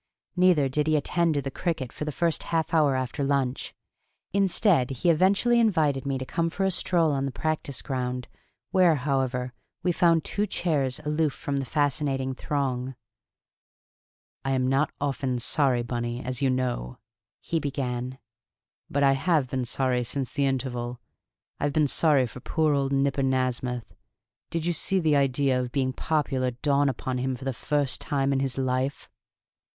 Neither did he attend to the cricket for the first half hour after lunch; instead, he eventually invited me to come for a stroll on the practice ground, where, however, we found two chairs aloof from the fascinating throng. "I am not often sorry, Bunny, as you know," he began. "But I have been sorry since the interval. I've been sorry for poor old Nipper Nasmyth. Did you see the idea of being popular dawn upon him for the first time in his life?"